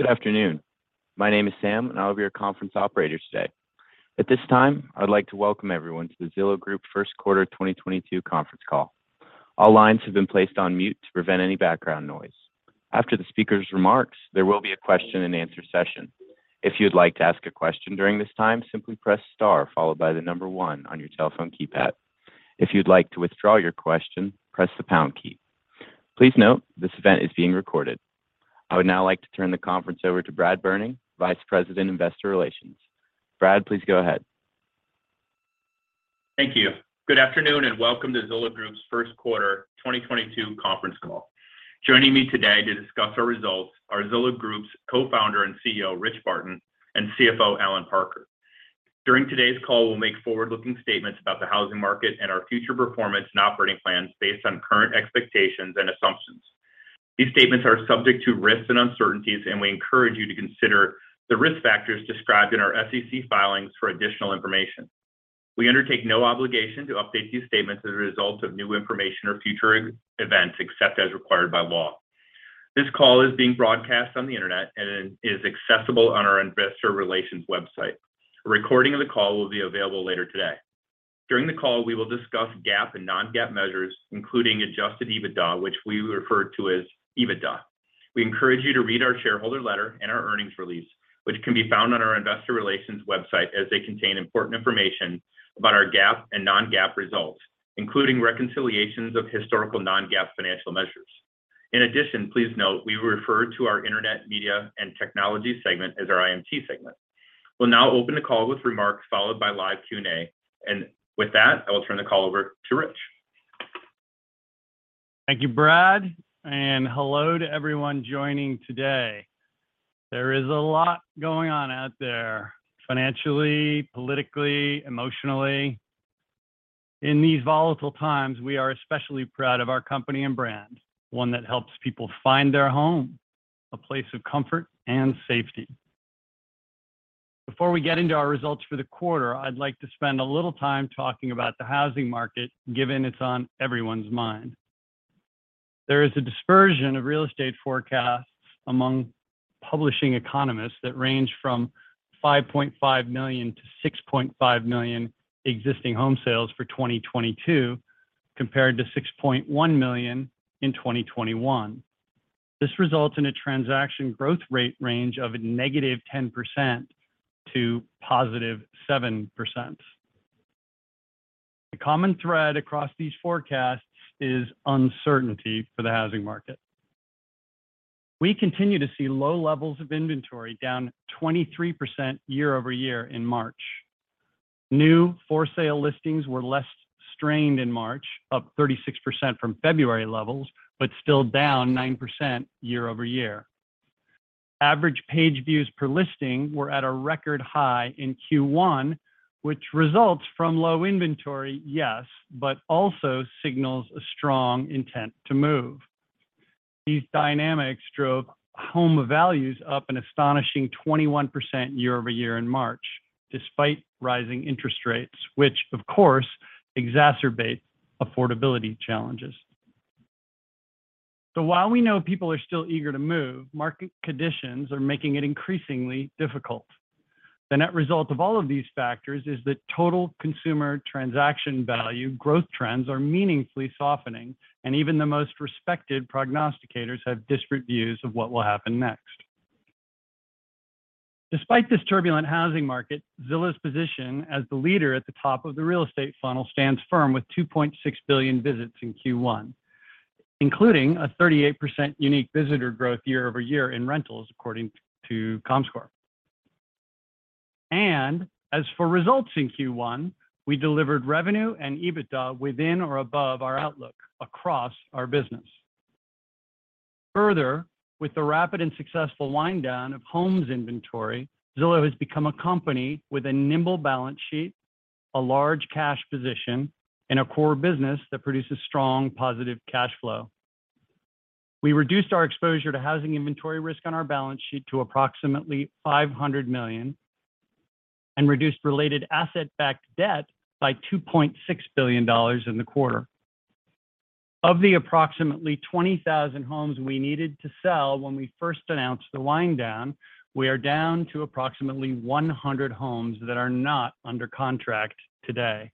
Good afternoon. My name is Sam, and I'll be your conference operator today. At this time, I'd like to welcome everyone to the Zillow Group Q1 2022 Conference Call. All lines have been placed on mute to prevent any background noise. After the speaker's remarks, there will be a question and answer session. If you'd like to ask a question during this time, simply press star followed by the number one on your telephone keypad. If you'd like to withdraw your question, press the pound key. Please note, this event is being recorded. I would now like to turn the conference over to Bradley Berning, Vice President, Investor Relations. Brad, please go ahead. Thank you. Good afternoon, and welcome to Zillow Group's Q1 2022 Conference Call. Joining me today to discuss our results are Zillow Group's Co-founder and CEO, Rich Barton, and CFO, Allen Parker. During today's call, we'll make forward-looking statements about the housing market and our future performance and operating plans based on current expectations and assumptions. These statements are subject to risks and uncertainties, and we encourage you to consider the risk factors described in our SEC filings for additional information. We undertake no obligation to update these statements as a result of new information or future events except as required by law. This call is being broadcast on the Internet and it is accessible on our investor relations website. A recording of the call will be available later today. During the call, we will discuss GAAP and non-GAAP measures, including adjusted EBITDA, which we refer to as EBITDA. We encourage you to read our shareholder letter and our earnings release, which can be found on our investor relations website as they contain important information about our GAAP and non-GAAP results, including reconciliations of historical non-GAAP financial measures. In addition, please note, we refer to our internet media and technology segment as our IMT segment. We'll now open the call with remarks followed by live Q&A. With that, I will turn the call over to Rich. Thank you, Brad, and hello to everyone joining today. There is a lot going on out there financially, politically, emotionally. In these volatile times, we are especially proud of our company and brand, one that helps people find their home, a place of comfort and safety. Before we get into our results for the quarter, I'd like to spend a little time talking about the housing market, given it's on everyone's mind. There is a dispersion of real estate forecasts among publishing economists that range from 5.5 million to 6.5 million existing home sales for 2022, compared to 6.1 million in 2021. This results in a transaction growth rate range of -10% to +7%. The common thread across these forecasts is uncertainty for the housing market. We continue to see low levels of inventory down 23% year-over-year in March. New for sale listings were less strained in March, up 36% from February levels, but still down 9% year-over-year. Average page views per listing were at a record high in Q1, which results from low inventory, yes, but also signals a strong intent to move. These dynamics drove home values up an astonishing 21% year-over-year in March, despite rising interest rates, which of course exacerbate affordability challenges. While we know people are still eager to move, market conditions are making it increasingly difficult. The net result of all of these factors is that total consumer transaction value growth trends are meaningfully softening, and even the most respected prognosticators have disparate views of what will happen next. Despite this turbulent housing market, Zillow's position as the leader at the top of the real estate funnel stands firm with 2.6 billion visits in Q1, including a 38% unique visitor growth year-over-year in rentals, according to Comscore. As for results in Q1, we delivered revenue and EBITDA within or above our outlook across our business. Further, with the rapid and successful wind down of homes inventory, Zillow has become a company with a nimble balance sheet, a large cash position, and a core business that produces strong positive cash flow. We reduced our exposure to housing inventory risk on our balance sheet to approximately $500 million and reduced-related asset-backed debt by $2.6 billion in the quarter. Of the approximately 20,000 homes we needed to sell when we first announced the wind down, we are down to approximately 100 homes that are not under contract today.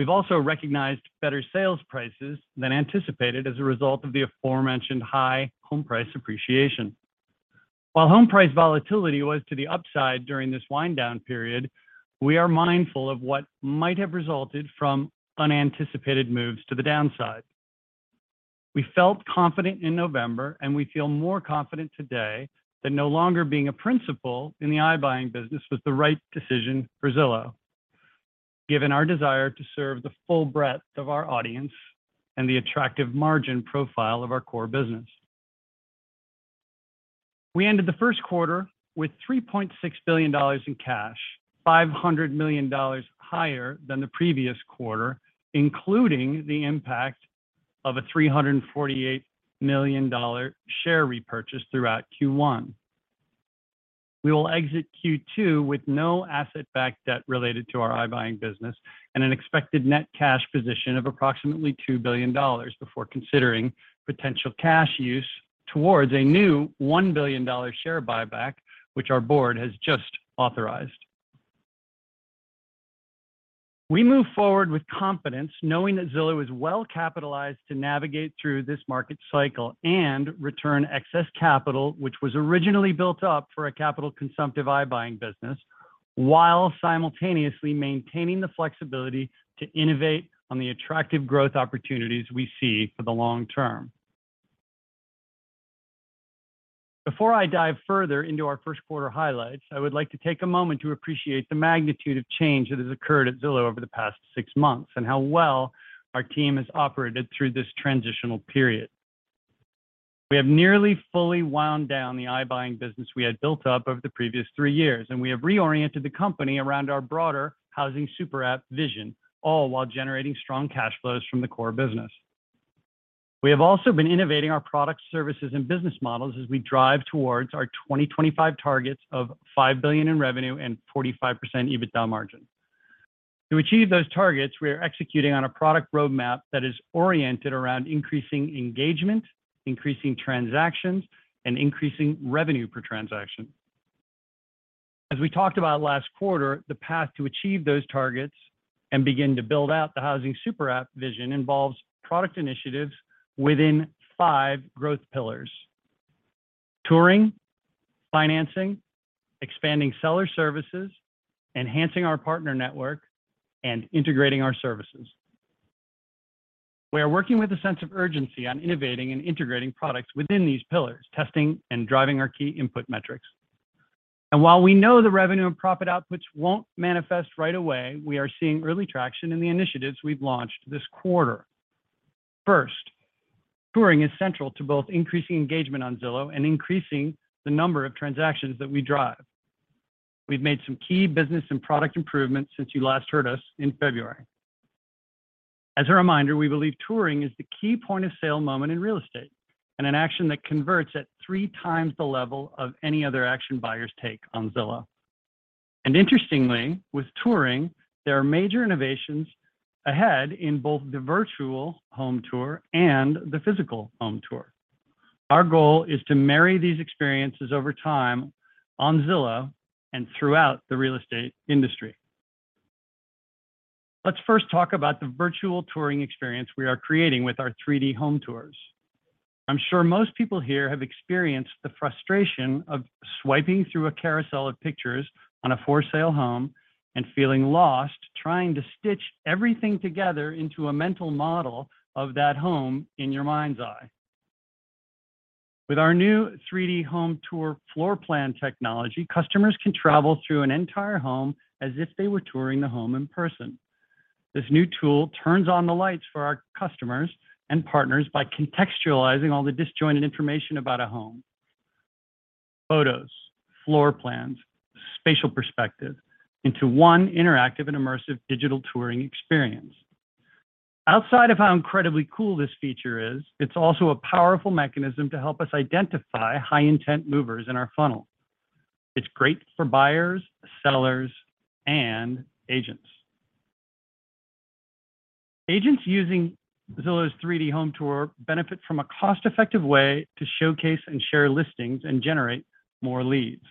We've also recognized better sales prices than anticipated as a result of the aforementioned high home price appreciation. While home price volatility was to the upside during this wind down period, we are mindful of what might have resulted from unanticipated moves to the downside. We felt confident in November, and we feel more confident today that no longer being a principal in the iBuying business was the right decision for Zillow, given our desire to serve the full breadth of our audience and the attractive margin profile of our core business. We ended Q1 with $3.6 billion in cash, $500 million higher than the previous quarter, including the impact of a $348 million share repurchase throughout Q1. We will exit Q2 with no asset-backed debt-related to our iBuying business and an expected net cash position of approximately $2 billion before considering potential cash use towards a new $1 billion share buyback, which our board has just authorized. We move forward with confidence knowing that Zillow is well-capitalized to navigate through this market cycle and return excess capital, which was originally built up for a capital-consumptive iBuying business, while simultaneously maintaining the flexibility to innovate on the attractive growth opportunities we see for the long-term. Before I dive further into our Q1 highlights, I would like to take a moment to appreciate the magnitude of change that has occurred at Zillow over the past six months and how well our team has operated through this transitional period. We have nearly fully wound down the iBuying business we had built up over the previous three years, and we have reoriented the company around our broader housing super app vision, all while generating strong cash flows from the core business. We have also been innovating our products, services, and business models as we drive towards our 2025 targets of $5 billion in revenue and 45% EBITDA margin. To achieve those targets, we are executing on a product roadmap that is oriented around increasing engagement, increasing transactions, and increasing revenue per transaction. As we talked about last quarter, the path to achieve those targets and begin to build out the housing super app vision involves product initiatives within five growth pillars, touring, financing, expanding seller services, enhancing our partner network, and integrating our services. We are working with a sense of urgency on innovating and integrating products within these pillars, testing and driving our key input metrics. While we know the revenue and profit outputs won't manifest right away, we are seeing early traction in the initiatives we've launched this quarter. First, touring is central to both increasing engagement on Zillow and increasing the number of transactions that we drive. We've made some key business and product improvements since you last heard us in February. As a reminder, we believe touring is the key point of sale moment in real estate and an action that converts at three times the level of any other action buyers take on Zillow. Interestingly, with touring, there are major innovations ahead in both the virtual home tour and the physical home tour. Our goal is to marry these experiences over time on Zillow and throughout the real estate industry. Let's first talk about the virtual touring experience we are creating with our 3D home tours. I'm sure most people here have experienced the frustration of swiping through a carousel of pictures on a for-sale home and feeling lost trying to stitch everything together into a mental model of that home in your mind's eye. With our new 3D Home tour floor plan technology, customers can travel through an entire home as if they were touring the home in person. This new tool turns on the lights for our customers and partners by contextualizing all the disjointed information about a home, photos, floor plans, spatial perspective into one interactive and immersive digital touring experience. Outside of how incredibly cool this feature is, it's also a powerful mechanism to help us identify high-intent movers in our funnel. It's great for buyers, sellers, and agents. Agents using Zillow's 3D Home tour benefit from a cost-effective way to showcase and share listings and generate more leads.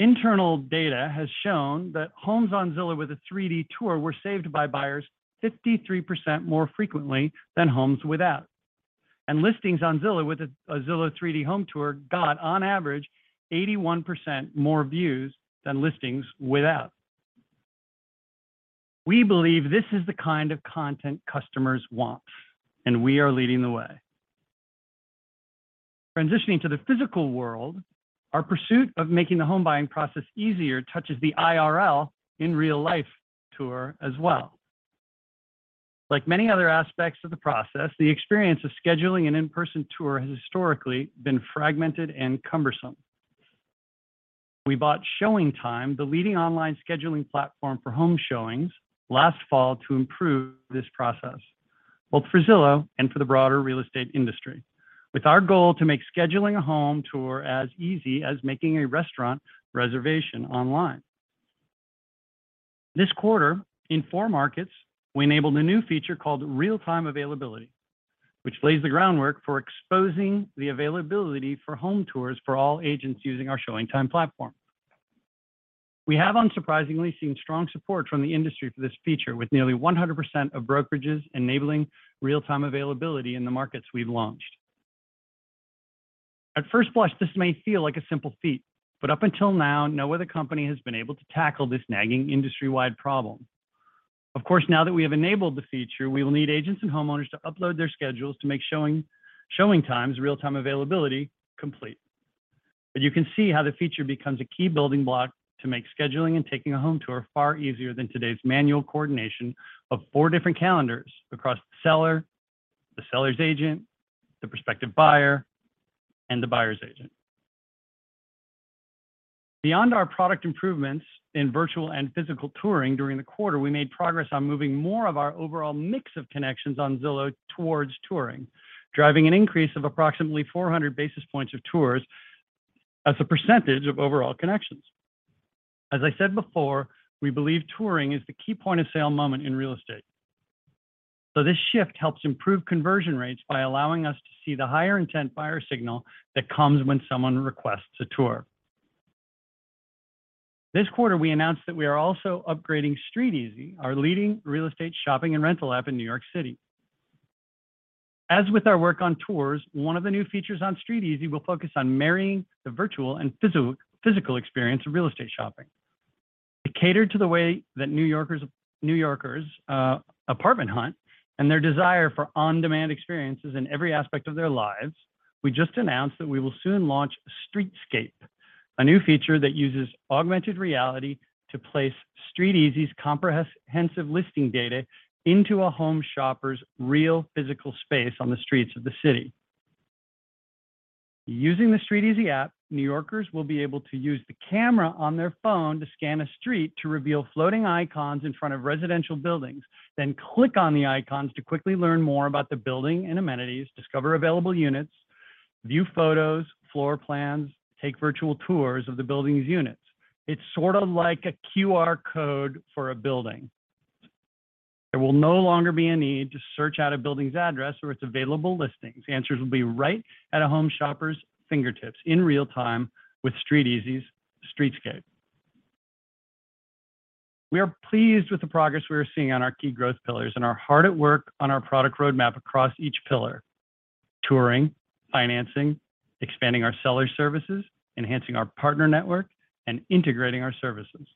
Internal data has shown that homes on Zillow with a 3D tour were saved by buyers 53% more frequently than homes without. Listings on Zillow with a Zillow 3D Home tour got, on average, 81% more views than listings without. We believe this is the kind of content customers want, and we are leading the way. Transitioning to the physical world, our pursuit of making the home buying process easier touches the IRL, in real life, tour as well. Like many other aspects of the process, the experience of scheduling an in-person tour has historically been fragmented and cumbersome. We bought ShowingTime, the leading online scheduling platform for home showings, last fall to improve this process, both for Zillow and for the broader real estate industry, with our goal to make scheduling a home tour as easy as making a restaurant reservation online. This quarter, in four markets, we enabled a new feature called Real-Time Availability, which lays the groundwork for exposing the availability for home tours for all agents using our ShowingTime platform. We have unsurprisingly seen strong support from the industry for this feature, with nearly 100% of brokerages enabling real-time availability in the markets we've launched. At first blush, this may feel like a simple feat, but up until now, no other company has been able to tackle this nagging industry-wide problem. Of course, now that we have enabled the feature, we will need agents and homeowners to upload their schedules to make ShowingTime's real-time availability complete. You can see how the feature becomes a key building block to make scheduling and taking a home tour far easier than today's manual coordination of 4 different calendars across the seller, the seller's agent, the prospective buyer, and the buyer's agent. Beyond our product improvements in virtual and physical touring during the quarter, we made progress on moving more of our overall mix of connections on Zillow towards touring, driving an increase of approximately 400 basis points of tours as a percentage of overall connections. As I said before, we believe touring is the key point of sale moment in real estate. This shift helps improve conversion rates by allowing us to see the higher intent buyer signal that comes when someone requests a tour. This quarter, we announced that we are also upgrading StreetEasy, our leading real estate shopping and rental app in New York City. As with our work on tours, one of the new features on StreetEasy will focus on marrying the virtual and physical experience of real estate shopping. To cater to the way that New Yorkers apartment hunt and their desire for on-demand experiences in every aspect of their lives, we just announced that we will soon launch StreetScape, a new feature that uses augmented reality to place StreetEasy's comprehensive listing data into a home shopper's real physical space on the streets of the city. Using the StreetEasy app, New Yorkers will be able to use the camera on their phone to scan a street to reveal floating icons in front of residential buildings, then click on the icons to quickly learn more about the building and amenities, discover available units, view photos, floor plans, take virtual tours of the building's units. It's sort of like a QR code for a building. There will no longer be a need to search out a building's address or its available listings. The answers will be right at a home shopper's fingertips in real time with StreetEasy's StreetScape. We are pleased with the progress we are seeing on our key growth pillars and are hard at work on our product roadmap across each pillar, touring, financing, expanding our seller services, enhancing our partner network, and integrating our services.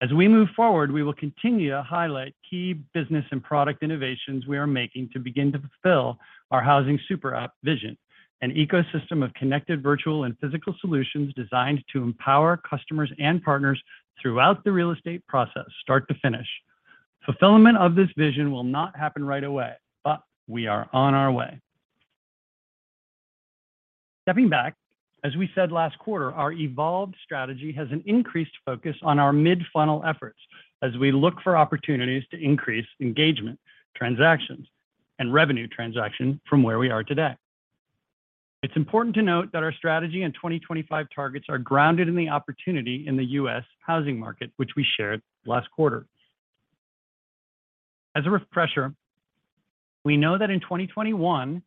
As we move forward, we will continue to highlight key business and product innovations we are making to begin to fulfill our housing super app vision, an ecosystem of connected virtual and physical solutions designed to empower customers and partners throughout the real estate process, start to finish. Fulfillment of this vision will not happen right away, but we are on our way. Stepping back, as we said last quarter, our evolved strategy has an increased focus on our mid-funnel efforts as we look for opportunities to increase engagement, transactions, and revenue transaction from where we are today. It's important to note that our strategy and 2025 targets are grounded in the opportunity in the U.S. housing market, which we shared last quarter. As a refresher, we know that in 2021,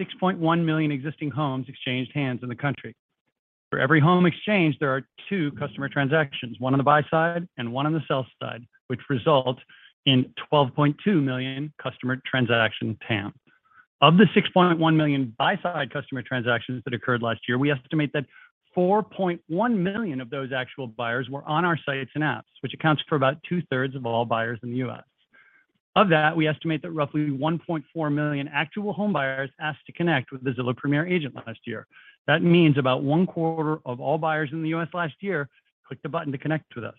6.1 million existing homes exchanged hands in the country. For every home exchange, there are two customer transactions, one on the buy side and one on the sell side, which results in 12.2 million customer transaction TAM. Of the 6.1 million buy-side customer transactions that occurred last year, we estimate that 4.1 million of those actual buyers were on our sites and apps, which accounts for about two-thirds of all buyers in the U.S. Of that, we estimate that roughly 1.4 million actual home buyers asked to connect with the Zillow Premier Agent last year. That means about one quarter of all buyers in the U.S. last year clicked a button to connect with us.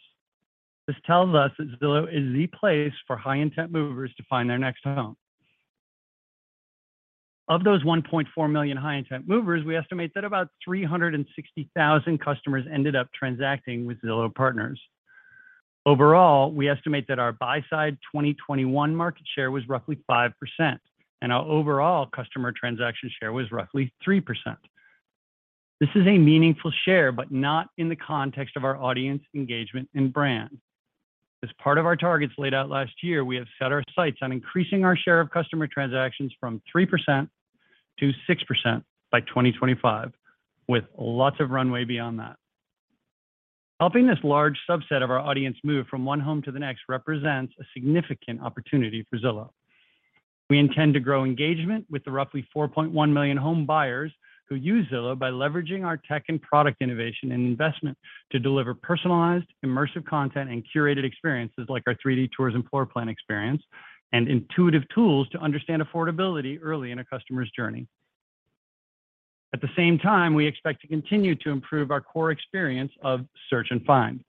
This tells us that Zillow is the place for high-intent movers to find their next home. Of those 1.4 million high-intent movers, we estimate that about 360,000 customers ended up transacting with Zillow partners. Overall, we estimate that our buy-side 2021 market share was roughly 5%, and our overall customer transaction share was roughly 3%. This is a meaningful share, but not in the context of our audience engagement and brand. As part of our targets laid out last year, we have set our sights on increasing our share of customer transactions from 3% to 6% by 2025, with lots of runway beyond that. Helping this large subset of our audience move from one home to the next represents a significant opportunity for Zillow. We intend to grow engagement with the roughly 4.1 million home buyers who use Zillow by leveraging our tech and product innovation and investment to deliver personalized, immersive content and curated experiences like our 3D tours and floor plan experience and intuitive tools to understand affordability early in a customer's journey. At the same time, we expect to continue to improve our core experience of search and find.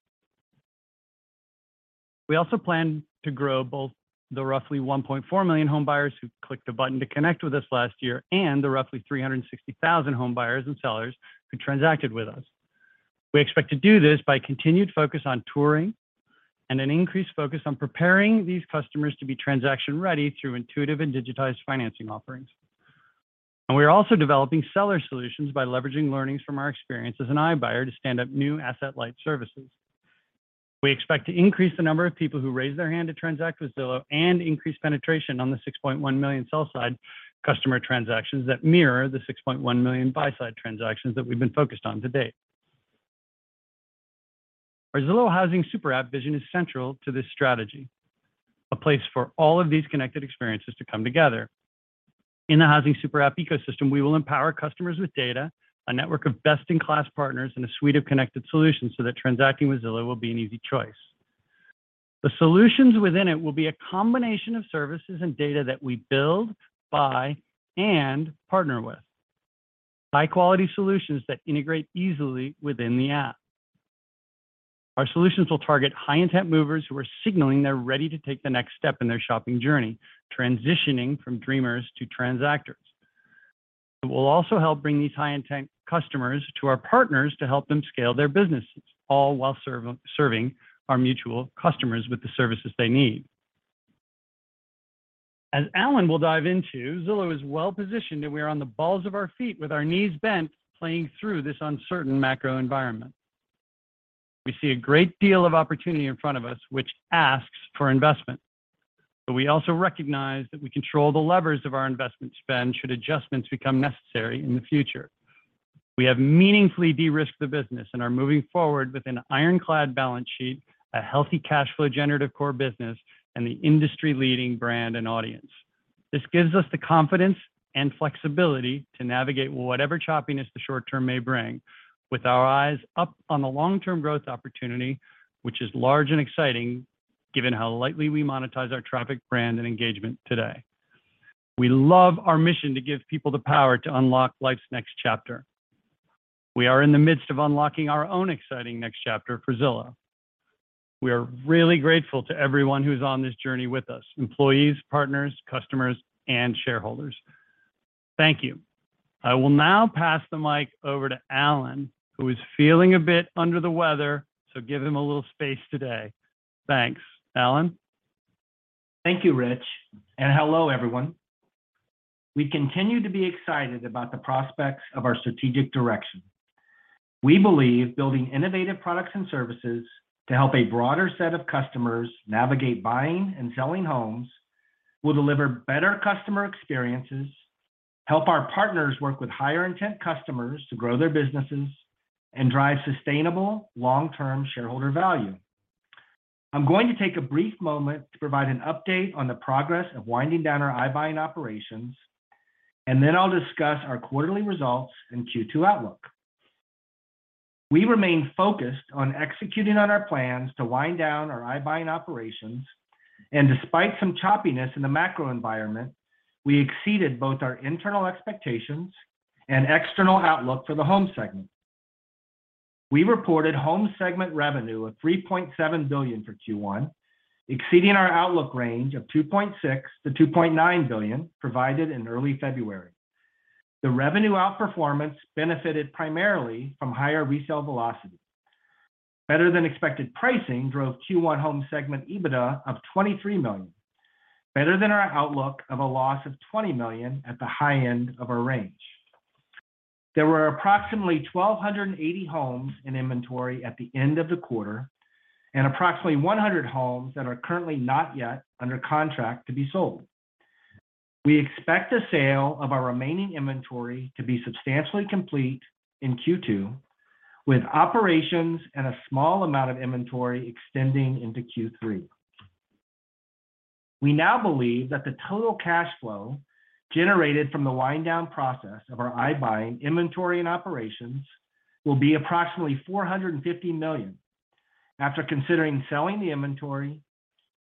We also plan to grow both the roughly 1.4 million home buyers who clicked a button to connect with us last year and the roughly 360,000 home buyers and sellers who transacted with us. We expect to do this by continued focus on touring and an increased focus on preparing these customers to be transaction-ready through intuitive and digitized financing offerings. We are also developing seller solutions by leveraging learnings from our experience as an iBuyer to stand up new asset-light services. We expect to increase the number of people who raise their hand to transact with Zillow and increase penetration on the 6.1 million sell-side customer transactions that mirror the 6.1 million buy-side transactions that we've been focused on to date. Our Zillow housing super app vision is central to this strategy, a place for all of these connected experiences to come together. In the housing super app ecosystem, we will empower customers with data, a network of best-in-class partners, and a suite of connected solutions so that transacting with Zillow will be an easy choice. The solutions within it will be a combination of services and data that we build, buy, and partner with. High-quality solutions that integrate easily within the app. Our solutions will target high-intent movers who are signaling they're ready to take the next step in their shopping journey, transitioning from dreamers to transactors. It will also help bring these high-intent customers to our partners to help them scale their businesses, all while serving our mutual customers with the services they need. As Allen will dive into, Zillow is well-positioned, and we are on the balls of our feet with our knees bent, playing through this uncertain macro environment. We see a great deal of opportunity in front of us, which asks for investment. We also recognize that we control the levers of our investment spend should adjustments become necessary in the future. We have meaningfully de-risked the business and are moving forward with an ironclad balance sheet, a healthy cash flow generative core business, and the industry-leading brand and audience. This gives us the confidence and flexibility to navigate whatever choppiness the short-term may bring with our eyes up on the long-term growth opportunity, which is large and exciting, given how lightly we monetize our traffic brand and engagement today. We love our mission to give people the power to unlock life's next chapter. We are in the midst of unlocking our own exciting next chapter for Zillow. We are really grateful to everyone who's on this journey with us, employees, partners, customers, and shareholders. Thank you. I will now pass the mic over to Allen, who is feeling a bit under the weather, so give him a little space today. Thanks. Allen. Thank you, Rich. Hello, everyone. We continue to be excited about the prospects of our strategic direction. We believe building innovative products and services to help a broader set of customers navigate buying and selling homes will deliver better customer experiences, help our partners work with higher intent customers to grow their businesses, and drive sustainable, long-term shareholder value. I'm going to take a brief moment to provide an update on the progress of winding down our iBuying operations, and then I'll discuss our quarterly results and Q2 outlook. We remain focused on executing on our plans to wind down our iBuying operations, and despite some choppiness in the macro environment, we exceeded both our internal expectations and external outlook for the home segment. We reported home segment revenue of $3.7 billion for Q1, exceeding our outlook range of $2.6 billion-$2.9 billion provided in early February. The revenue outperformance benefited primarily from higher resale velocity. Better than expected pricing drove Q1 home segment EBITDA of $23 million, better than our outlook of a loss of $20 million at the high-end of our range. There were approximately 1,280 homes in inventory at the end of the quarter and approximately 100 homes that are currently not yet under contract to be sold. We expect the sale of our remaining inventory to be substantially complete in Q2, with operations and a small amount of inventory extending into Q3. We now believe that the total cash flow generated from the wind down process of our iBuying inventory and operations will be approximately $450 million after considering selling the inventory,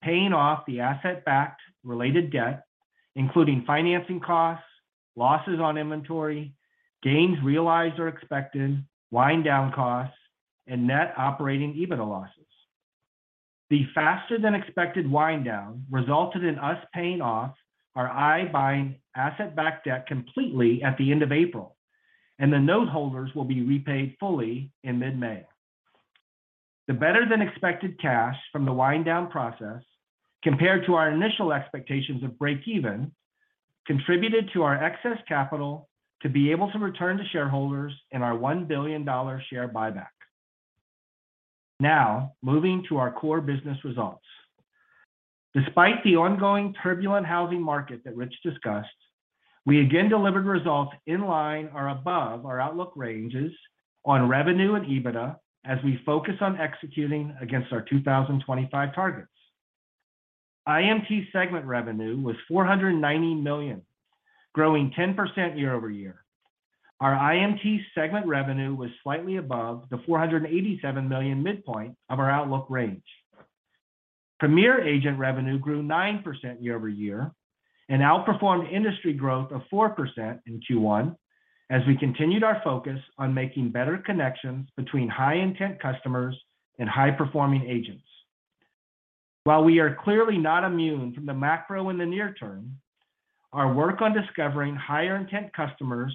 paying off the asset-backed-related debt, including financing costs, losses on inventory, gains realized or expected, wind down costs, and net operating EBITDA losses. The faster than expected wind down resulted in us paying off our iBuying asset-backed debt completely at the end of April, and the noteholders will be repaid fully in mid-May. The better than expected cash from the wind down process, compared to our initial expectations of breakeven, contributed to our excess capital to be able to return to shareholders in our $1 billion share buyback. Now, moving to our core business results. Despite the ongoing turbulent housing market that Rich discussed, we again delivered results in line or above our outlook ranges on revenue and EBITDA as we focus on executing against our 2025 targets. IMT segment revenue was $490 million, growing 10% year-over-year. Our IMT segment revenue was slightly above the $487 million midpoint of our outlook range. Premier Agent revenue grew 9% year-over-year and outperformed industry growth of 4% in Q1 as we continued our focus on making better connections between high-intent customers and high-performing agents. While we are clearly not immune from the macro in the near term, our work on discovering higher intent customers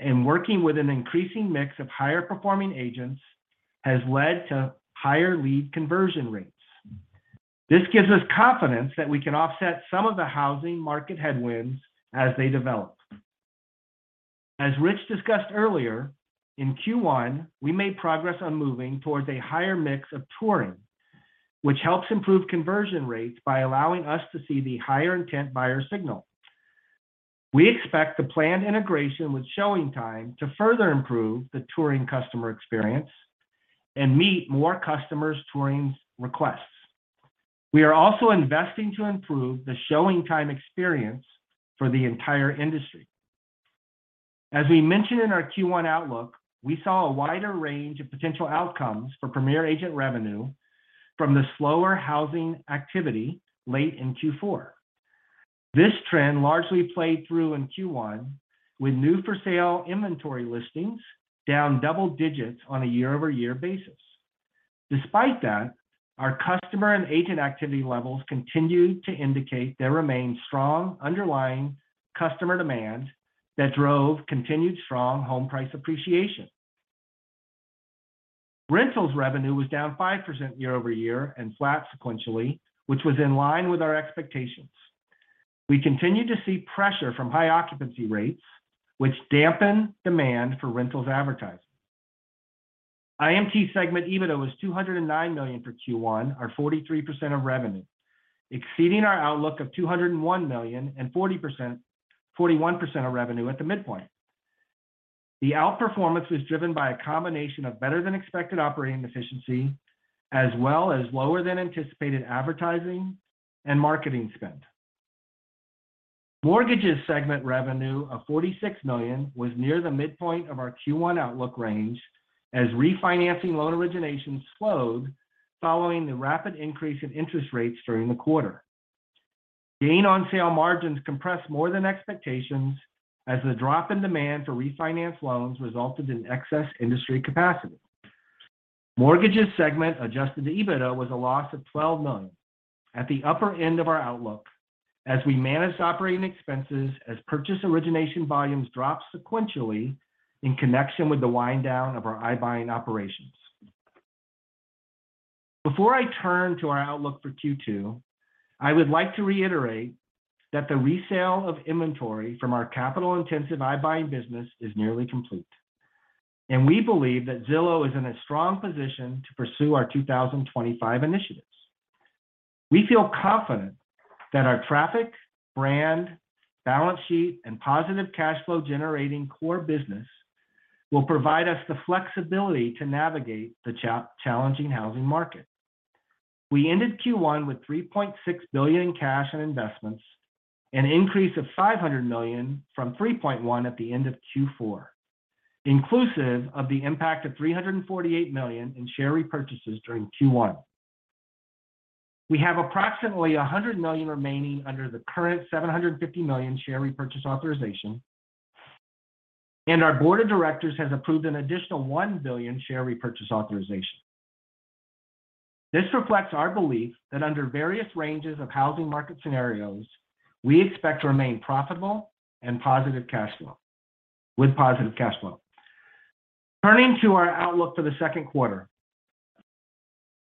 and working with an increasing mix of higher performing agents has led to higher lead conversion rates. This gives us confidence that we can offset some of the housing market headwinds as they develop. As Rich discussed earlier, in Q1, we made progress on moving towards a higher mix of touring, which helps improve conversion rates by allowing us to see the higher intent buyer signal. We expect the planned integration with ShowingTime to further improve the touring customer experience and meet more customers' touring requests. We are also investing to improve the ShowingTime experience for the entire industry. As we mentioned in our Q1 outlook, we saw a wider range of potential outcomes for Premier Agent revenue from the slower housing activity late in Q4. This trend largely played through in Q1 with new for-sale inventory listings down double-digits on a year-over-year basis. Despite that, our customer and agent activity levels continued to indicate there remains strong underlying customer demand that drove continued strong home price appreciation. Rentals revenue was down 5% year-over-year and flat sequentially, which was in line with our expectations. We continue to see pressure from high-occupancy rates, which dampen demand for rentals advertising. IMT segment EBITDA was $209 million for Q1, or 43% of revenue, exceeding our outlook of $201 million and 40%-41% of revenue at the midpoint. The outperformance was driven by a combination of better than expected operating efficiency as well as lower than anticipated advertising and marketing spend. Mortgages segment revenue of $46 million was near the midpoint of our Q1 outlook range as refinancing loan originations slowed following the rapid increase in interest rates during the quarter. Gain on sale margins compressed more than expectations as the drop in demand for refinance loans resulted in excess industry capacity. Mortgages segment adjusted to EBITDA was a loss of $12 million, at the upper end of our outlook, as we managed operating expenses as purchase origination volumes dropped sequentially in connection with the wind down of our iBuying operations. Before I turn to our outlook for Q2, I would like to reiterate that the resale of inventory from our capital-intensive iBuying business is nearly complete, and we believe that Zillow is in a strong position to pursue our 2025 initiatives. We feel confident that our traffic, brand, balance sheet, and positive cash flow generating core business will provide us the flexibility to navigate the challenging housing market. We ended Q1 with $3.6 billion in cash and investments, an increase of $500 million from $3.1 billion at the end of Q4, inclusive of the impact of $348 million in share repurchases during Q1. We have approximately $100 million remaining under the current $750 million share repurchase authorization, and our board of directors has approved an additional $1 billion share repurchase authorization. This reflects our belief that under various ranges of housing market scenarios, we expect to remain profitable with positive cash flow. Turning to our outlook for Q2.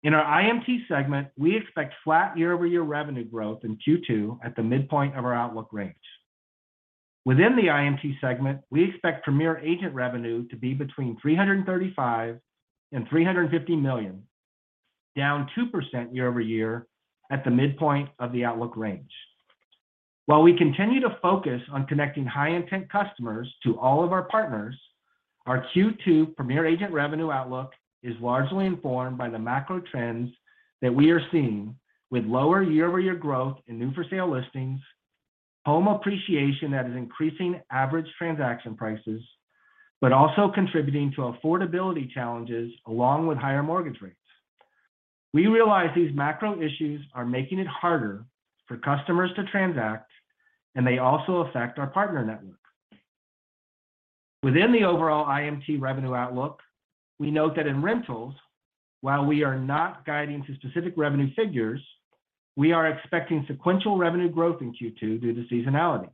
In our IMT segment, we expect flat year-over-year revenue growth in Q2 at the midpoint of our outlook range. Within the IMT segment, we expect Premier Agent revenue to be between $335 million and $350 million, down 2% year-over-year at the midpoint of the outlook range. While we continue to focus on connecting high-intent customers to all of our partners, our Q2 Premier Agent revenue outlook is largely informed by the macro trends that we are seeing with lower year-over-year growth in new for sale listings, home appreciation that is increasing average transaction prices, but also contributing to affordability challenges along with higher mortgage rates. We realize these macro issues are making it harder for customers to transact, and they also affect our partner network. Within the overall IMT revenue outlook, we note that in rentals, while we are not guiding to specific revenue figures, we are expecting sequential revenue growth in Q2 due to seasonality.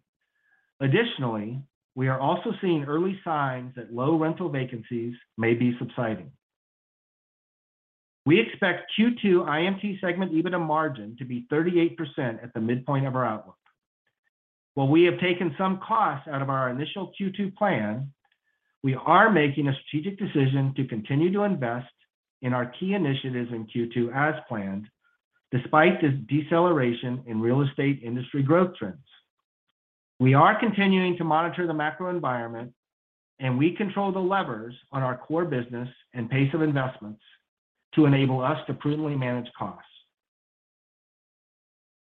Additionally, we are also seeing early signs that low rental vacancies may be subsiding. We expect Q2 IMT segment EBITDA margin to be 38% at the midpoint of our outlook. While we have taken some costs out of our initial Q2 plan, we are making a strategic decision to continue to invest in our key initiatives in Q2 as planned, despite this deceleration in real estate industry growth trends. We are continuing to monitor the macro environment and we control the levers on our core business and pace of investments to enable us to prudently manage costs.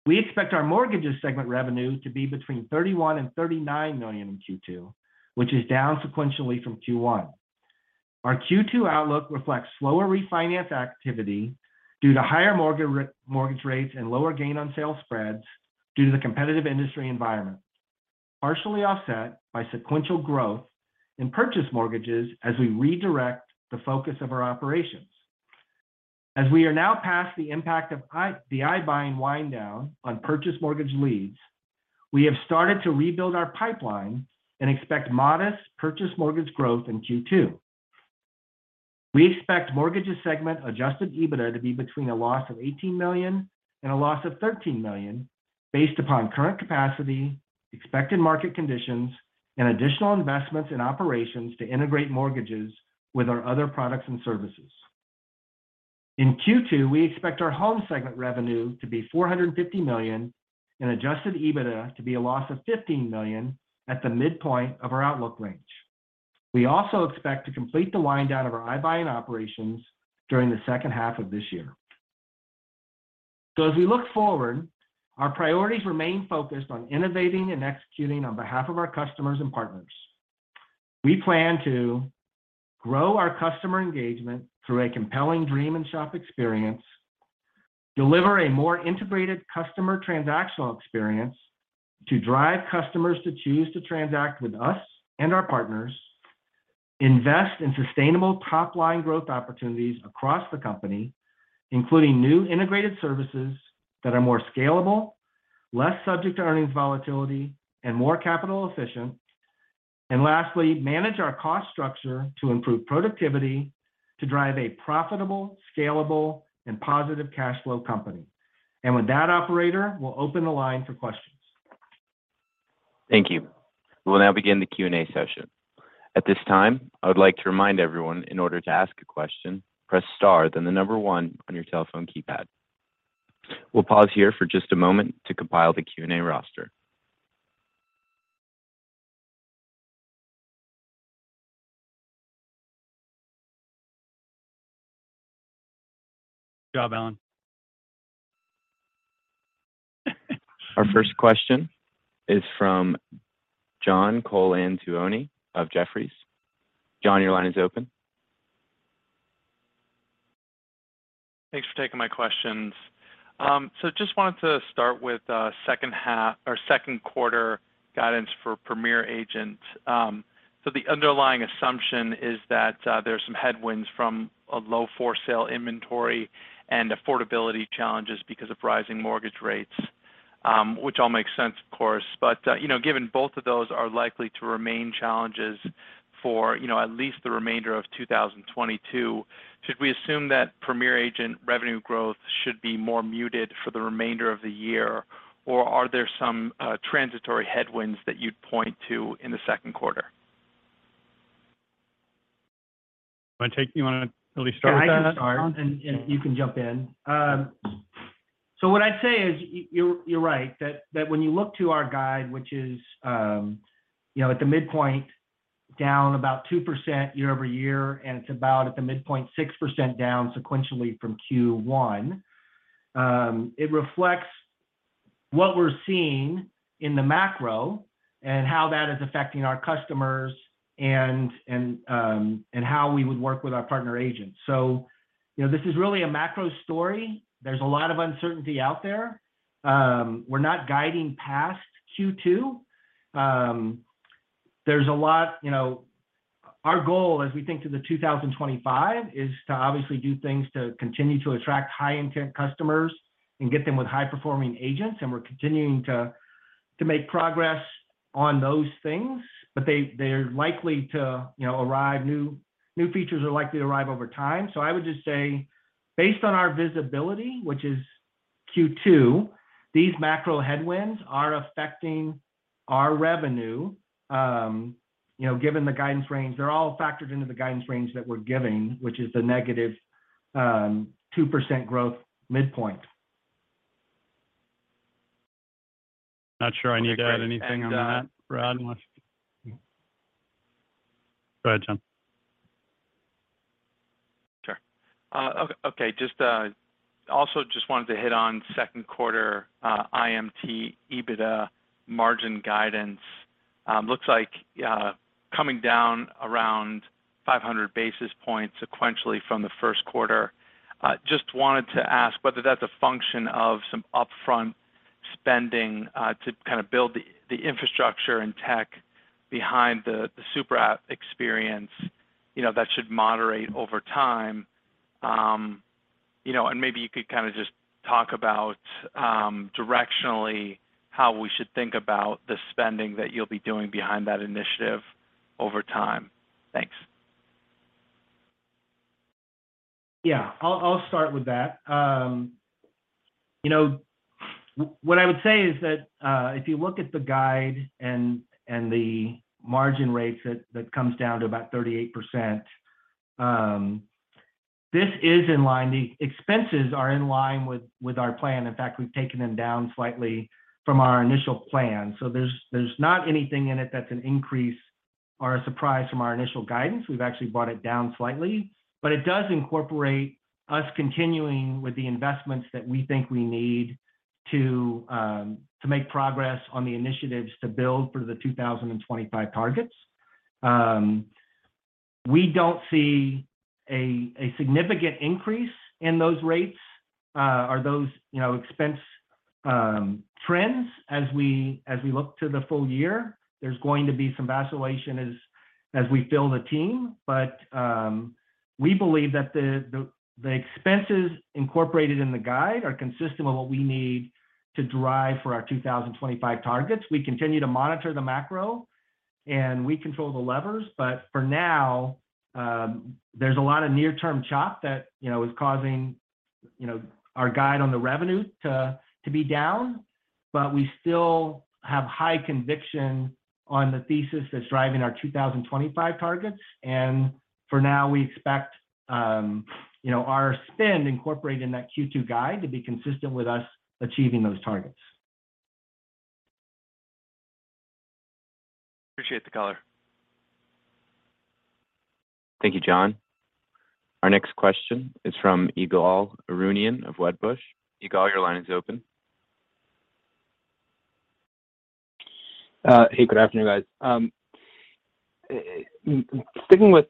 We expect our mortgages segment revenue to be between $31 million and $39 million in Q2, which is down sequentially from Q1. Our Q2 outlook reflects slower refinance activity due to higher mortgage rates and lower gain on sale spreads due to the competitive industry environment, partially offset by sequential growth in purchase mortgages as we redirect the focus of our operations. We are now past the impact of the iBuying wind down on purchase mortgage leads. We have started to rebuild our pipeline and expect modest purchase mortgage growth in Q2. We expect mortgages segment adjusted EBITDA to be between a loss of $18 million and a loss of $13 million based upon current capacity, expected market conditions and additional investments in operations to integrate mortgages with our other products and services. In Q2, we expect our home segment revenue to be $450 million and adjusted EBITDA to be a loss of $15 million at the midpoint of our outlook range. We also expect to complete the wind down of our iBuying operations during the second half of this year. As we look forward, our priorities remain focused on innovating and executing on behalf of our customers and partners. We plan to grow our customer engagement through a compelling dream and shop experience, deliver a more integrated customer transactional experience to drive customers to choose to transact with us and our partners, invest in sustainable top-line growth opportunities across the company, including new integrated services that are more scalable, less subject to earnings volatility, and more capital efficient. Lastly, manage our cost structure to improve productivity to drive a profitable, scalable, and positive cash flow company. With that, operator, we'll open the line for questions. Thank you. We'll now begin the Q&A session. At this time, I would like to remind everyone in order to ask a question, press star, then the number one on your telephone keypad. We'll pause here for just a moment to compile the Q&A roster. Good job, Allen. Our first question is from John Colantuoni of Jefferies. John, your line is open. Thanks for taking my questions. Just wanted to start with second half or Q2 guidance for Premier Agent. The underlying assumption is that there's some headwinds from a low-for-sale inventory and affordability challenges because of rising mortgage rates, which all makes sense, of course. You know, given both of those are likely to remain challenges for you know at least the remainder of 2022, should we assume that Premier Agent revenue growth should be more muted for the remainder of the year, or are there some transitory headwinds that you'd point to in Q2? You wanna at least start with that? Yeah, I can start, and you can jump in. What I'd say is you're right, that when you look to our guide, which is, you know, at the midpoint down about 2% year-over-year, and it's about at the midpoint 6% down sequentially from Q1, it reflects what we're seeing in the macro and how that is affecting our customers and how we would work with our partner agents. You know, this is really a macro story. There's a lot of uncertainty out there. We're not guiding past Q2. There's a lot, you know. Our goal as we think to 2025 is to obviously do things to continue to attract high-intent customers and get them with high-performing agents, and we're continuing to make progress on those things. New features are likely to arrive over time. I would just say based on our visibility, which is Q2, these macro headwinds are affecting our revenue, you know, given the guidance range. They're all factored into the guidance range that we're giving, which is the negative 2% growth midpoint. Not sure I need to add anything on that, Brad. Go ahead, John. Sure. Okay. Just also wanted to hit on Q2 IMT EBITDA margin guidance. Looks like coming down around 500 basis points sequentially from Q1. Just wanted to ask whether that's a function of some upfront spending to kind of build the infrastructure and tech behind the super app experience, you know, that should moderate over time. You know, and maybe you could kind of just talk about directionally how we should think about the spending that you'll be doing behind that initiative over time. Thanks. Yeah. I'll start with that. You know, what I would say is that, if you look at the guide and the margin rates that comes down to about 38%, this is in line. The expenses are in line with our plan. In fact, we've taken them down slightly from our initial plan. There's not anything in it that's an increase or a surprise from our initial guidance. We've actually brought it down slightly. It does incorporate us continuing with the investments that we think we need to make progress on the initiatives to build for the 2025 targets. We don't see a significant increase in those rates or those, you know, expense trends as we look to the full-year. There's going to be some vacillation as we build a team, but we believe that the expenses incorporated in the guide are consistent with what we need to drive for our 2025 targets. We continue to monitor the macro, and we control the levers. For now, there's a lot of near-term chop that, you know, is causing, you know, our guide on the revenue to be down. We still have high-conviction on the thesis that's driving our 2025 targets. For now we expect, you know, our spend incorporated in that Q2 guide to be consistent with us achieving those targets. Appreciate the color. Thank you, John. Our next question is from Ygal Arounian of Wedbush. Ygal, your line is open. Hey, good afternoon, guys. Sticking with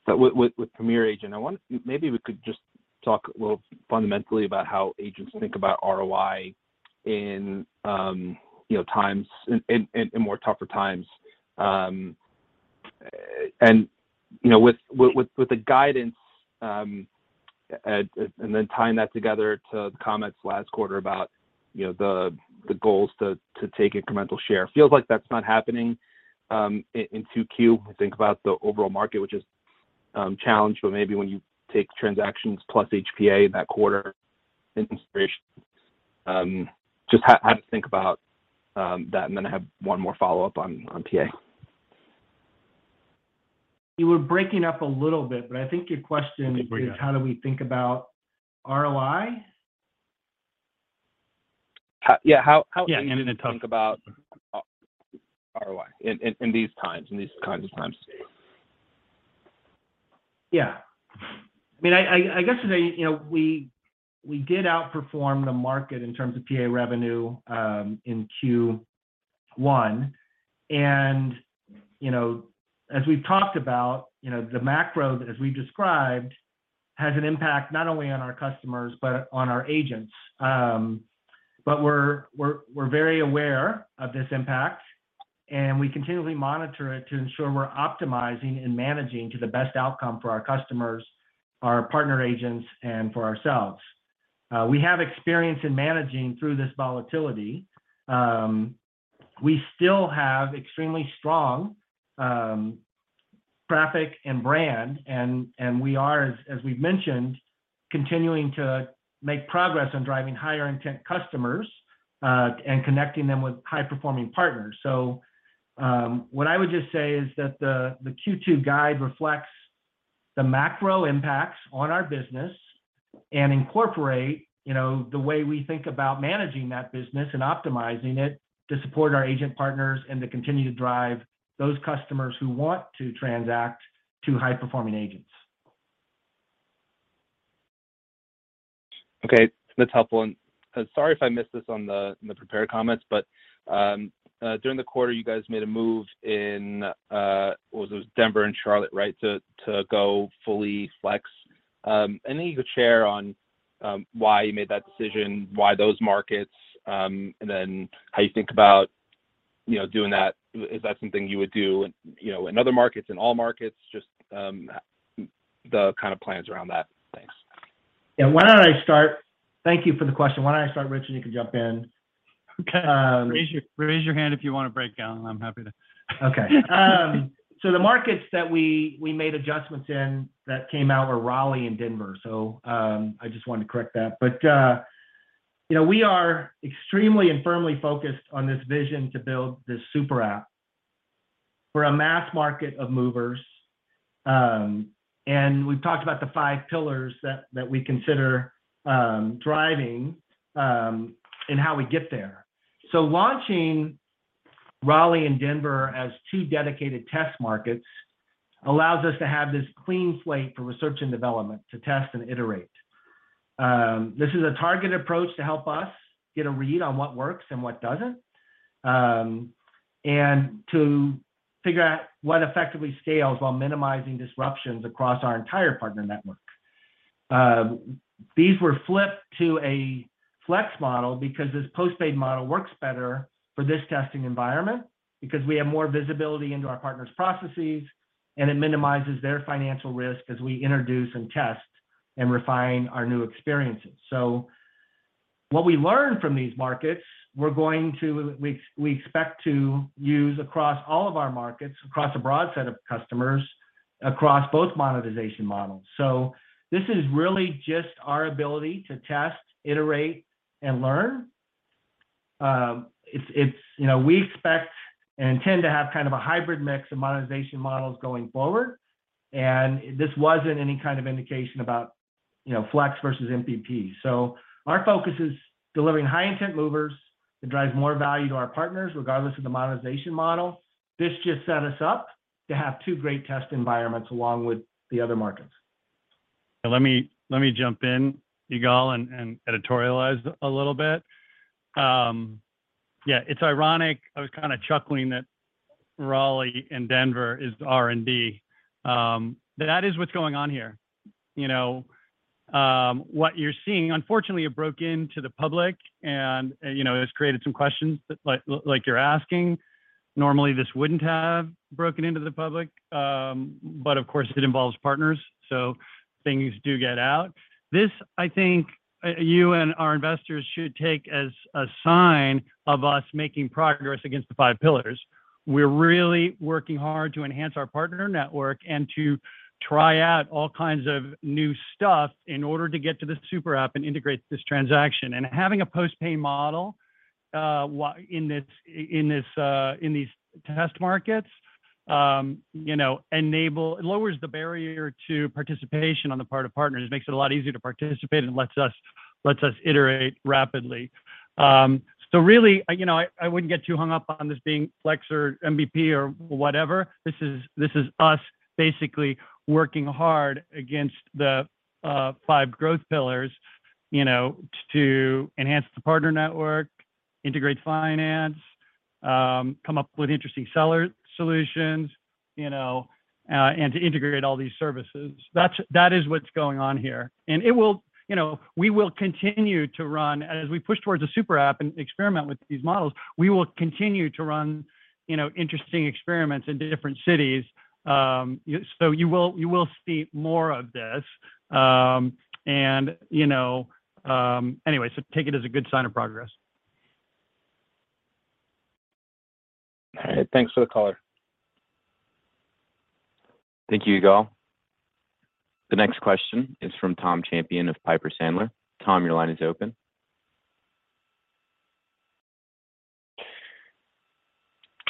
Premier Agent, I wondered if maybe we could just talk a little fundamentally about how agents think about ROI in, you know, times in more tougher times. You know, with the guidance and then tying that together to the comments last quarter about, you know, the goals to take incremental share. Feels like that's not happening in 2Q. I think about the overall market, which is challenged, but maybe when you take transactions plus HPA that quarter into consideration. Just how to think about that, and then I have one more follow-up on PA. You were breaking up a little bit, but I think your question. Let me bring it up. is how do we think about ROI? Yeah, how Yeah How do you think about ROI in these times, in these kinds of times? Yeah. I mean, I guess today, you know, we did outperform the market in terms of PA revenue, in Q1. You know, as we've talked about, you know, the macro, as we've described, has an impact not only on our customers, but on our agents. We're very aware of this impact, and we continually monitor it to ensure we're optimizing and managing to the best outcome for our customers, our partner agents, and for ourselves. We have experience in managing through this volatility. We still have extremely strong traffic and brand, and we are, as we've mentioned, continuing to make progress on driving higher intent customers, and connecting them with high-performing partners. What I would just say is that the Q2 guide reflects the macro impacts on our business and incorporates, you know, the way we think about managing that business and optimizing it to support our agent partners and to continue to drive those customers who want to transact to high-performing agents. Okay. That's helpful. Sorry if I missed this in the prepared comments, but during the quarter, you guys made a move in was it Denver and Raleigh, right? To go fully Flex. Anything you could share on why you made that decision, why those markets, and then how you think about, you know, doing that. Is that something you would do, you know, in other markets, in all markets? Just the kind of plans around that. Thanks. Thank you for the question. Why don't I start, Rich, and you can jump in. Raise your hand if you want to break, Allen. I'm happy to. Okay. The markets that we made adjustments in that came out were Raleigh and Denver, so I just wanted to correct that. You know, we are extremely and firmly focused on this vision to build this super app for a mass market of movers. We've talked about the five pillars that we consider driving and how we get there. Launching Raleigh and Denver as two dedicated test markets allows us to have this clean slate for research and development to test and iterate. This is a targeted approach to help us get a read on what works and what doesn't, and to figure out what effectively scales while minimizing disruptions across our entire partner network. These were flipped to a Flex model because this post-paid model works better for this testing environment because we have more visibility into our partners' processes, and it minimizes their financial risk as we introduce and test and refine our new experiences. What we learn from these markets, we expect to use across all of our markets, across a broad set of customers, across both monetization models. This is really just our ability to test, iterate, and learn. It's, you know, we expect and intend to have kind of a hybrid mix of monetization models going forward, and this wasn't any kind of indication about, you know, Flex versus MVP. Our focus is delivering high-intent movers that drives more value to our partners, regardless of the monetization model. This just set us up to have two great test environments along with the other markets. Let me jump in, Ygal, and editorialize a little bit. Yeah, it's ironic. I was kind of chuckling that Raleigh and Denver is R&D. That is what's going on here. You know, what you're seeing. Unfortunately, it broke into the public, and you know, it's created some questions like you're asking. Normally, this wouldn't have broken into the public. Of course, it involves partners, so things do get out. This, I think, you and our investors should take as a sign of us making progress against the five pillars. We're really working hard to enhance our partner network and to try out all kinds of new stuff in order to get to this super app and integrate this transaction. Having a post-pay model in these test markets, you know, lowers the barrier to participation on the part of partners. It makes it a lot easier to participate and lets us iterate rapidly. Really, you know, I wouldn't get too hung up on this being flex or MBP or whatever. This is us basically working hard against the five growth pillars, you know, to enhance the partner network, integrate finance, come up with interesting seller solutions, you know, and to integrate all these services. That's what's going on here. We will continue to run. As we push towards a super app and experiment with these models, we will continue to run, you know, interesting experiments into different cities. You will see more of this. You know, anyway, take it as a good sign of progress. All right. Thanks for the color. Thank you, Ygal. The next question is from Thomas Champion of Piper Sandler. Tom, your line is open.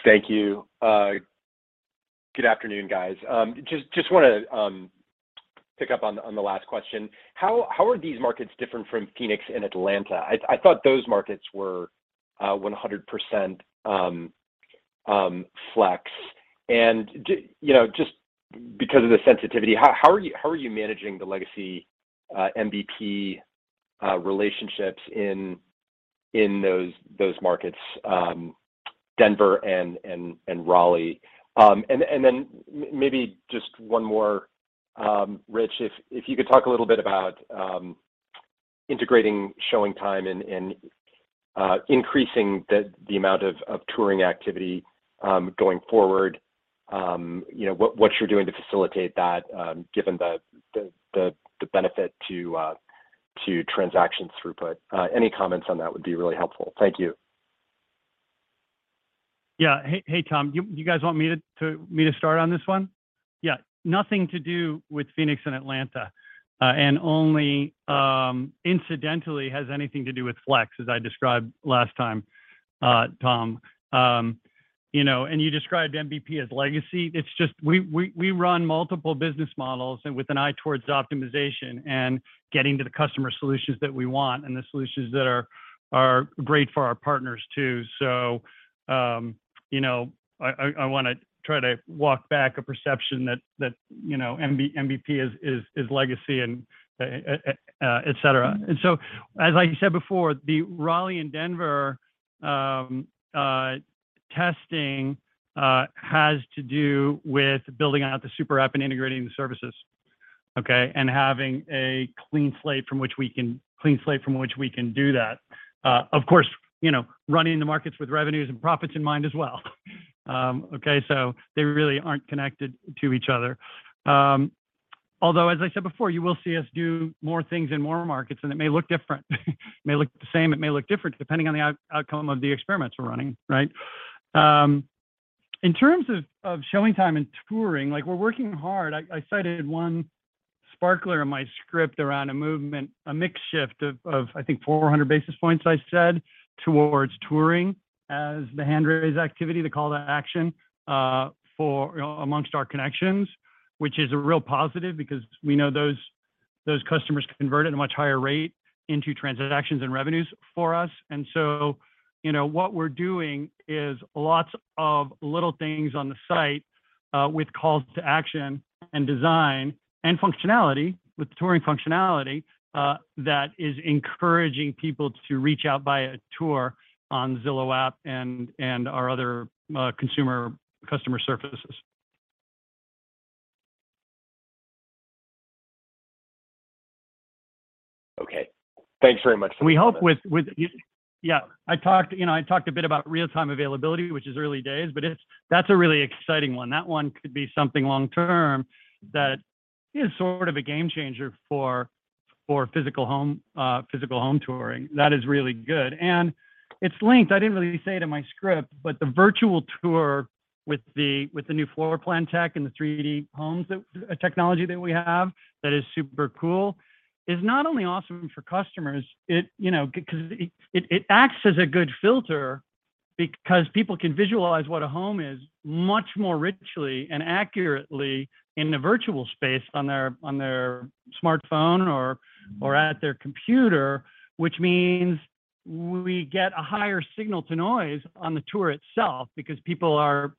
Thank you. Good afternoon, guys. Just wanna pick up on the last question. How are these markets different from Phoenix and Atlanta? I thought those markets were 100% Flex. You know, just because of the sensitivity, how are you managing the legacy MBP relationships in those markets, Denver and Raleigh? Maybe just one more, Rich, if you could talk a little bit about integrating ShowingTime and increasing the amount of touring activity going forward. You know, what you're doing to facilitate that, given the benefit to transaction throughput. Any comments on that would be really helpful. Thank you. Yeah. Hey, Tom. You guys want me to start on this one? Yeah. Nothing to do with Phoenix and Atlanta, and only incidentally has anything to do with Flex, as I described last time, Tom. You know, you described MBP as legacy. It's just we run multiple business models and with an eye towards optimization and getting to the customer solutions that we want and the solutions that are great for our partners too. You know, I wanna try to walk back a perception that you know, MBP is legacy and et cetera. I said before, the Raleigh and Denver testing has to do with building out the super app and integrating the services. Okay? Having a clean slate from which we can do that. Of course, you know, running the markets with revenues and profits in mind as well. Okay? They really aren't connected to each other. Although as I said before, you will see us do more things in more markets, and it may look different. It may look the same, it may look different, depending on the outcome of the experiments we're running, right? In terms of ShowingTime and touring, like we're working hard. I cited one sparkler in my script around a movement, a mix shift of I think 400 basis points, I said, towards touring as the hand-raise activity, the call to action, for among our connections, which is a real positive because we know those customers convert at a much higher rate into transactions and revenues for us. You know, what we're doing is lots of little things on the site, with calls to action and design and functionality, with touring functionality, that is encouraging people to reach out, buy a tour on Zillow app and our other consumer customer services. Okay. Thanks very much for I talked, you know, a bit about Real-Time Availability, which is early days, but it's, that's a really exciting one. That one could be something long-term that is sort of a game changer for physical home touring. That is really good. It's linked. I didn't really say it in my script, but the virtual tour with the new floor plan tech and the three-D homes technology that we have, that is super cool, is not only awesome for customers, it you know 'cause it acts as a good filter because people can visualize what a home is much more richly and accurately in a virtual space on their smartphone or at their computer, which means we get a higher signal to noise on the tour itself because people are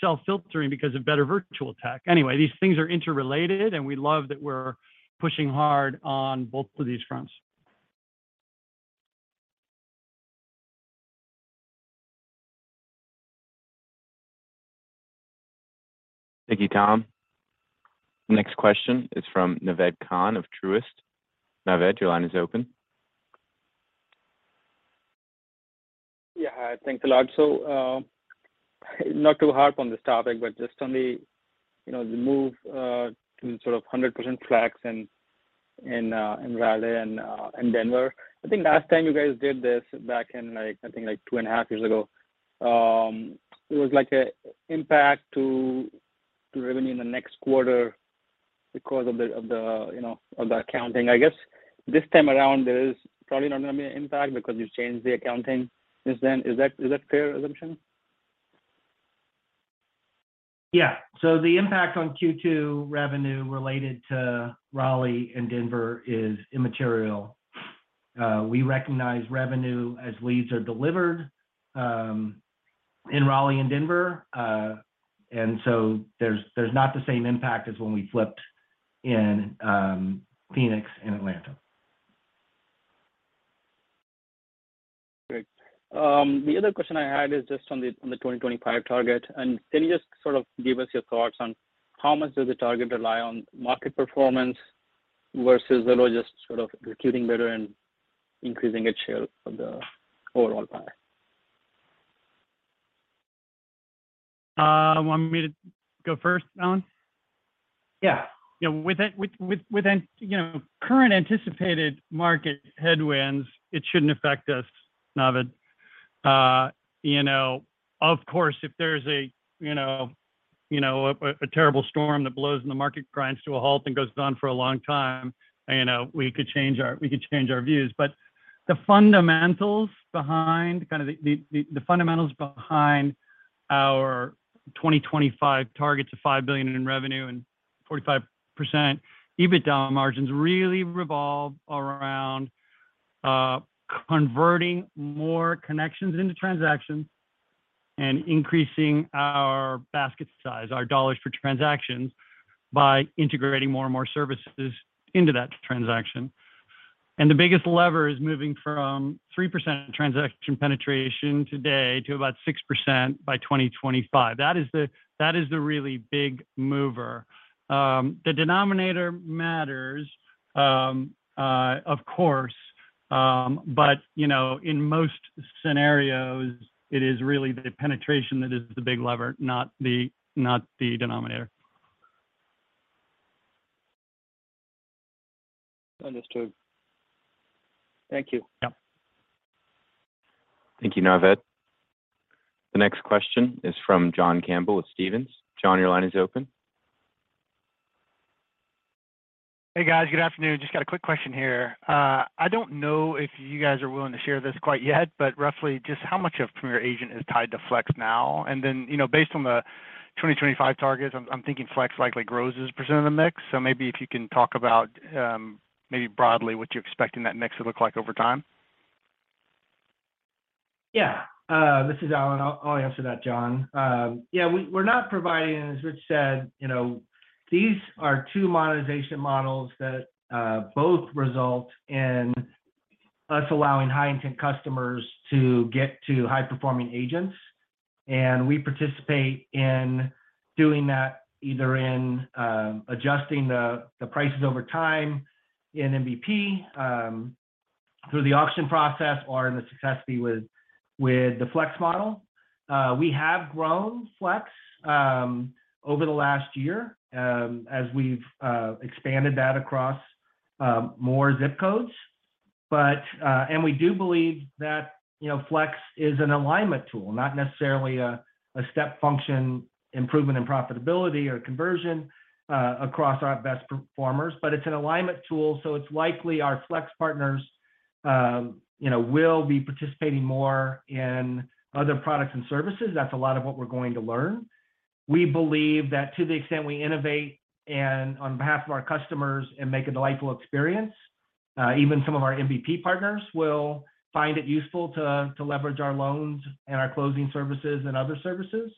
self-filtering because of better virtual tech. Anyway, these things are interrelated, and we love that we're pushing hard on both of these fronts. Thank you, Tom. Next question is from Naved Khan of Truist. Naved, your line is open. Yeah. Thanks a lot. Not to harp on this topic, but just on the, you know, the move to sort of 100% Flex in Raleigh and Denver. I think last time you guys did this back in like 2.5 years ago, it was like an impact to revenue in the next quarter because of the, you know, the accounting. I guess this time around there is probably not gonna be an impact because you've changed the accounting since then. Is that fair assumption? Yeah. The impact on Q2 revenue-related to Raleigh and Denver is immaterial. We recognize revenue as leads are delivered in Raleigh and Denver, and so there's not the same impact as when we flipped in Phoenix and Atlanta. Great. The other question I had is just on the 2025 target. Can you just sort of give us your thoughts on how much does the target rely on market performance versus the latter just sort of recruiting better and increasing its share of the overall pie? Want me to go first, Allen? Yeah. You know, with current anticipated market headwinds, it shouldn't affect us, Navid. You know, of course, if there's a terrible storm that blows and the market grinds to a halt and goes on for a long time, you know, we could change our views. But the fundamentals behind kind of the fundamentals behind our 2025 targets of $5 billion in revenue and 45% EBITDA margins really revolve around converting more connections into transactions and increasing our basket size, our dollars per transactions, by integrating more and more services into that transaction. The biggest lever is moving from 3% transaction penetration today to about 6% by 2025. That is the really big mover. The denominator matters, of course, but you know, in most scenarios, it is really the penetration that is the big lever, not the denominator. Understood. Thank you. Yeah. Thank you, Naved. The next question is from John Campbell with Stephens. John, your line is open. Hey, guys. Good afternoon. Just got a quick question here. I don't know if you guys are willing to share this quite yet, but roughly just how much of Premier Agent is tied to Flex now? And then, you know, based on the 2025 targets, I'm thinking Flex likely grows as a percent of the mix. Maybe if you can talk about maybe broadly what you expect in that mix to look like over time. Yeah. This is Allen. I'll answer that, John. Yeah, we're not providing, as Rich said, you know, these are two monetization models that both result in us allowing high-intent customers to get to high-performing agents. We participate in doing that either in adjusting the prices over time in MBP through the auction process or in the success fee with the Flex model. We have grown Flex over the last year as we've expanded that across more zip codes. We do believe that, you know, Flex is an alignment tool, not necessarily a step function improvement in profitability or conversion across our best performers. It's an alignment tool, so it's likely our Flex partners, you know, will be participating more in other products and services. That's a lot of what we're going to learn. We believe that to the extent we innovate and on behalf of our customers and make a delightful experience, even some of our MVP partners will find it useful to leverage our loans and our closing services and other services.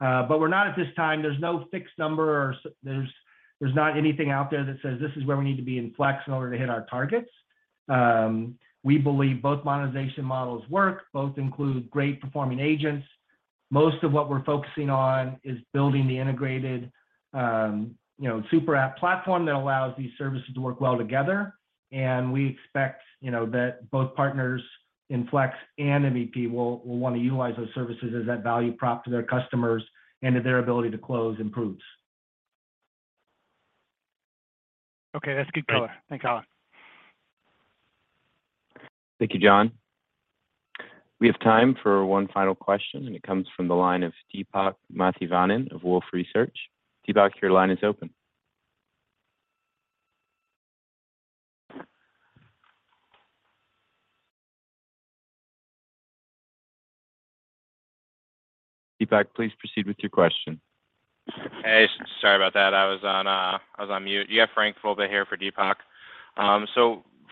We're not at this time. There's no fixed number. There's not anything out there that says this is where we need to be in Flex in order to hit our targets. We believe both monetization models work. Both include great performing agents. Most of what we're focusing on is building the integrated, you know, super app platform that allows these services to work well together. We expect, you know, that both partners in Flex and MBP will wanna utilize those services as that value prop to their customers and that their ability to close improves. Okay. That's good color. Great. Thanks, Allen. Thank you, John. We have time for one final question, and it comes from the line of Deepak Mathivanan of Wolfe Research. Deepak, your line is open. Deepak, please proceed with your question. Hey, sorry about that. I was on mute. You have Frank Fulta here for Deepak.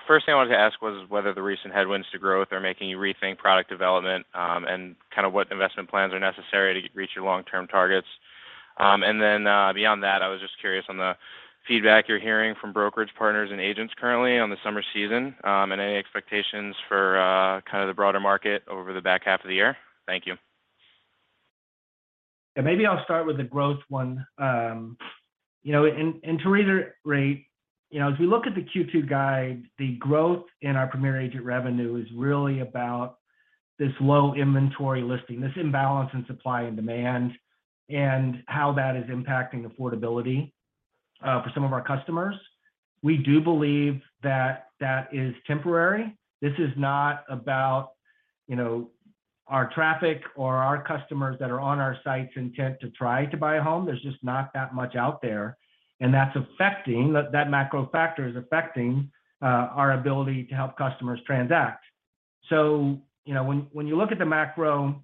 First thing I wanted to ask was whether the recent headwinds to growth are making you rethink product development, and kind of what investment plans are necessary to reach your long-term targets. Beyond that, I was just curious on the feedback you're hearing from brokerage partners and agents currently on the summer season, and any expectations for kind of the broader market over the back half of the year. Thank you. Yeah, maybe I'll start with the growth one. You know, to reiterate, you know, as we look at the Q2 guide, the growth in our Premier Agent revenue is really about this low inventory listing, this imbalance in supply and demand, and how that is impacting affordability for some of our customers. We do believe that is temporary. This is not about, you know, our traffic or our customers that are on our sites intent to try to buy a home. There's just not that much out there, and that's affecting. That macro factor is affecting our ability to help customers transact. You know, when you look at the macro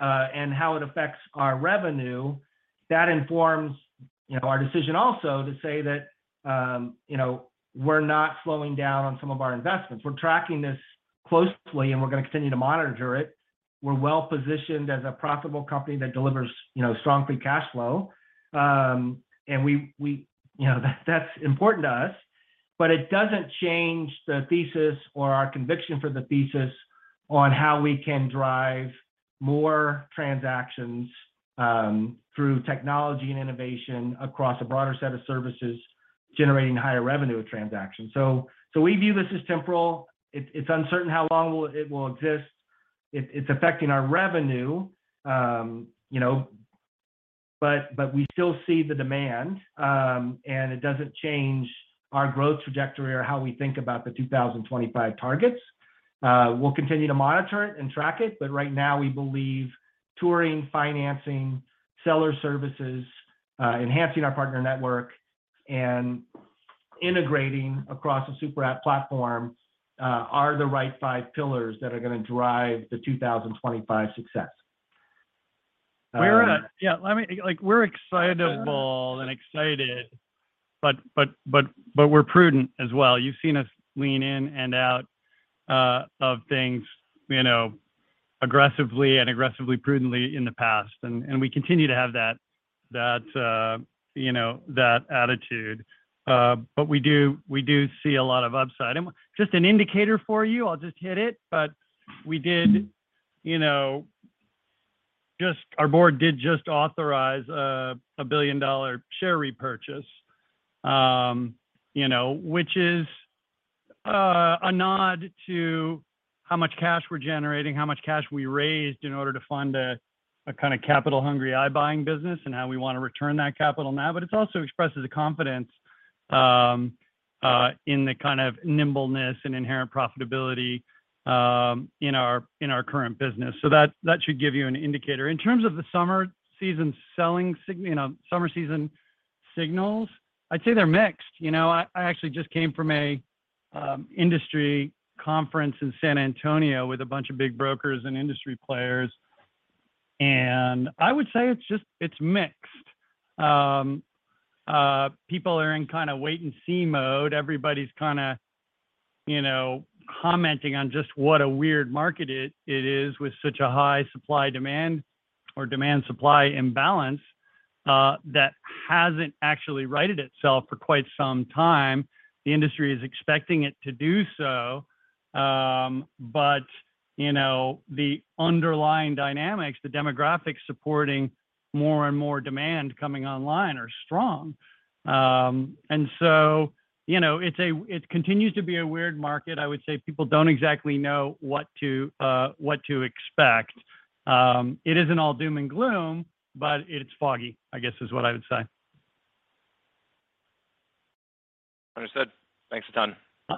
and how it affects our revenue, that informs, you know, our decision also to say that, you know, we're not slowing down on some of our investments. We're tracking this closely, and we're gonna continue to monitor it. We're well-positioned as a profitable company that delivers, you know, strong free cash flow. You know, that's important to us, but it doesn't change the thesis or our conviction for the thesis on how we can drive more transactions through technology and innovation across a broader set of services, generating higher revenue of transactions. We view this as temporal. It's uncertain how long it will exist. It's affecting our revenue, you know, but we still see the demand. It doesn't change our growth trajectory or how we think about the 2025 targets. We'll continue to monitor it and track it, but right now we believe touring, financing, seller services, enhancing our partner network, and integrating across a super app platform are the right five pillars that are gonna drive the 2025 success. Like, we're excitable and excited, but we're prudent as well. You've seen us lean in and out of things, you know, aggressively and prudently in the past. We continue to have that, you know, that attitude. We do see a lot of upside. Just an indicator for you, I'll just hit it, but our board just authorized a billion-dollar share repurchase, you know, which is a nod to how much cash we're generating, how much cash we raised in order to fund a kind of capital-hungry iBuying business, and how we wanna return that capital now. It also expresses a confidence in the kind of nimbleness and inherent profitability in our current business. That should give you an indicator. In terms of the summer season signals, I'd say they're mixed. You know, I actually just came from an industry conference in San Antonio with a bunch of big brokers and industry players, and I would say it's just mixed. People are in kinda wait-and-see mode. Everybody's kinda, you know, commenting on just what a weird market it is with such a high supply-demand or demand-supply imbalance that hasn't actually righted itself for quite some time. The industry is expecting it to do so, but, you know, the underlying dynamics, the demographics supporting more and more demand coming online are strong. You know, it continues to be a weird market. I would say people don't exactly know what to expect. It isn't all doom and gloom, but it's foggy, I guess, is what I would say. Understood. Thanks a ton. Uh.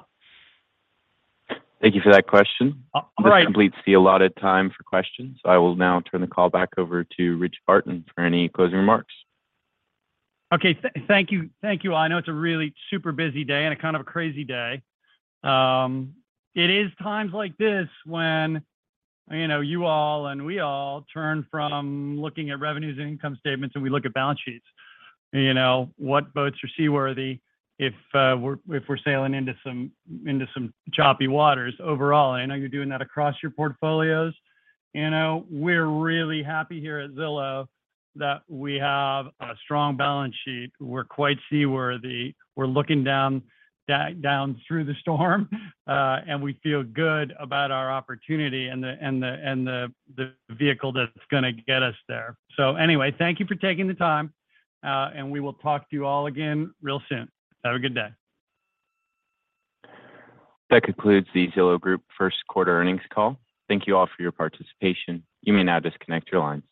Thank you for that question. All right. This completes the allotted time for questions. I will now turn the call back over to Rich Barton for any closing remarks. Okay. Thank you. Thank you all. I know it's a really super busy day and a kind of a crazy day. It is times like this when, you know, you all and we all turn from looking at revenues and income statements, and we look at balance sheets. You know, what boats are seaworthy if we're sailing into some choppy waters overall. I know you're doing that across your portfolios. You know, we're really happy here at Zillow that we have a strong balance sheet. We're quite seaworthy. We're looking down through the storm, and we feel good about our opportunity and the vehicle that's gonna get us there. Anyway, thank you for taking the time, and we will talk to you all again real soon. Have a good day. That concludes the Zillow Group Q1 Earnings call. Thank you all for your participation. You may now disconnect your lines.